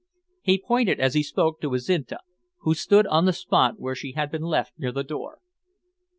He pointed as he spoke to Azinte, who still stood on the spot where she had been left near the door.